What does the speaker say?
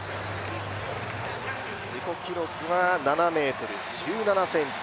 自己記録は７ｍ１７ｃｍ。